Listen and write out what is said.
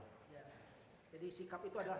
jadi sikap itu adalah